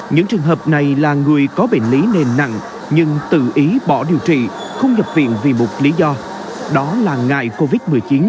những trường hợp này là người có bệnh lý nền nặng nhưng tự ý bỏ điều trị không nhập viện vì một lý do đó là ngại covid một mươi chín